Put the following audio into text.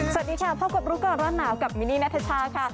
สวัสดีค่ะพบกับรู้ก่อนร้อนหนาวกับมินนี่นัทชาค่ะ